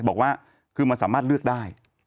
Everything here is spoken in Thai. บอกว่าคือมันสามารถเลือกได้